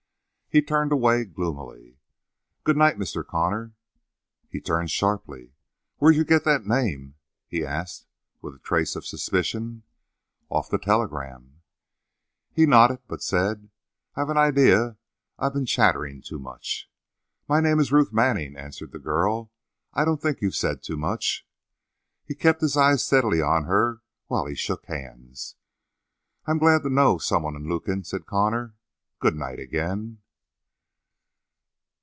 He turned away gloomily. "Good night, Mr. Connor." He turned sharply. "Where'd you get that name?" he asked with a trace of suspicion. "Off the telegram." He nodded, but said: "I've an idea I've been chattering to much." "My name is Ruth Manning," answered the girl. "I don't think you've said too much." He kept his eyes steadily on her while he shook hands. "I'm glad I know some one in Lukin," said Connor. "Good night, again."